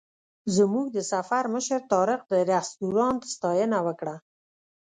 زموږ د سفر مشر طارق د رسټورانټ ستاینه وکړه.